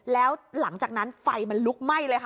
แล้วหลังจากนั้นไฟมันลุกไหม้เลยค่ะ